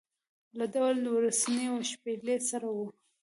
له ډول و سورني او شپېلۍ سره و.